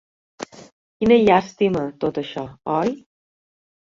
Quina llàstima, tot això, oi?